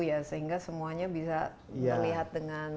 karena satu lima ribu ditunggu reach permittingan